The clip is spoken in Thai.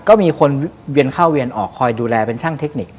ก็มีคนเวียนเข้าเวียนออกคอยดูแลเป็นช่างเทคนิค